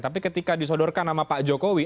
tapi ketika disodorkan nama pak jokowi